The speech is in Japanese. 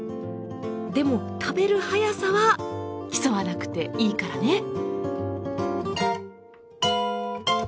でも食べる早さは競わなくていいからね。